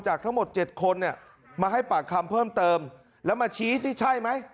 จากทั้งหมด๗คนมาให้ปากคำเพิ่มเติมแล้วมาชี้ที่ใช่ไหม